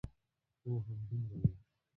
هو، همدومره و.